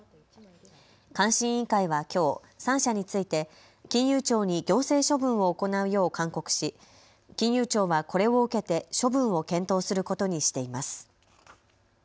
監視委員会はきょう３社について金融庁に行政処分を行うよう勧告し金融庁はこれを受けて処分を検討することにしています。